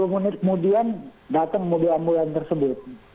sepuluh menit kemudian datang mobil ambulan tersebut